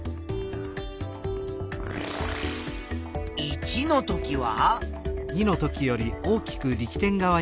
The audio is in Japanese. １のときは。